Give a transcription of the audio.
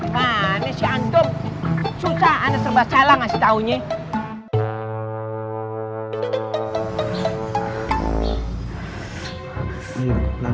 nah ini si antum susah anak serba salah gak sih taunya